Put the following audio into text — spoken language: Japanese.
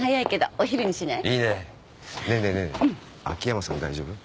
秋山さん大丈夫？